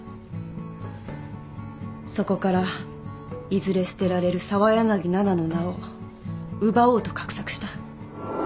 そこからいずれ捨てられる澤柳菜々の名を奪おうと画策した。